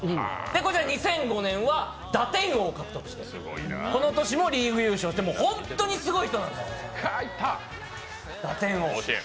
こちら２００５年は、打点王を獲得してこの年もリーグ優勝して本当にすごい人なんです、打点王。